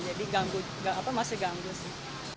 jadi masih ganggu sih